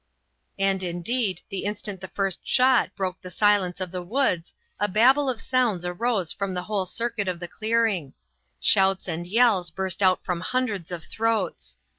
And indeed the instant the first shot broke the silence of the woods a babel of sounds arose from the whole circuit of the clearing; shouts and yells burst out from hundreds of throats.